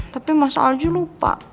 tapi masa alju lupa